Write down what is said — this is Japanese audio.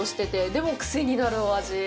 でも、クセになるお味。